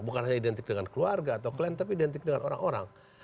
bukan hanya identik dengan keluarga atau klien tapi identik dengan orang orang